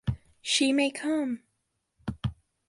She may come!